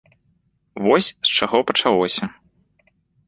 Вось з чаго пачалося.